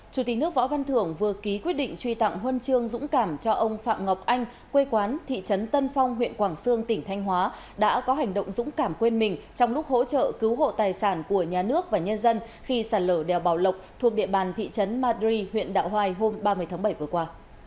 chủ tịch nước võ văn thưởng vừa ký quyết định truy tặng huân chương dũng cảm cho ông phạm ngọc anh quê quán thị trấn tân phong huyện quảng sương tỉnh thanh hóa đã có hành động dũng cảm quên mình trong lúc hỗ trợ cứu hộ tài sản của nhà nước và nhân dân khi sàn lở đèo bào lộc thuộc địa bàn thị trấn madri huyện đạo hoài hôm ba mươi tháng bảy vừa qua